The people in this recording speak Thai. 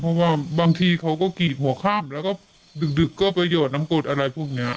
เพราะว่าบางทีเขาก็กรีดหัวข้ามแล้วก็ดึกก็ประโยชน์น้ำกดอะไรพวกนี้